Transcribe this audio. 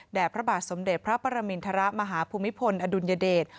พระบาทสมเด็จพระปรมินทรมาฮภูมิพลอดุลยเดช